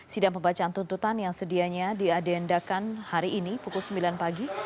sidang pembacaan tuntutan yang sedianya diagendakan hari ini pukul sembilan pagi